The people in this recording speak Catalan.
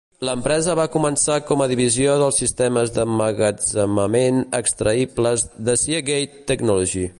L'empresa va començar com a divisió dels sistemes d'emmagatzemament extraïbles de Seagate Technology.